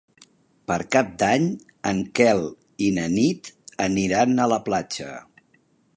Per Cap d'Any en Quel i na Nit aniran a la platja.